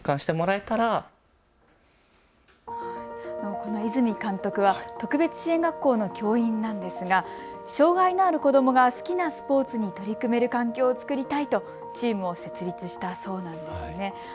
この泉監督は特別支援学校の教員なんですが障害のある子どもが好きなスポーツに取り組める環境を作りたいとチームを設立したそうです。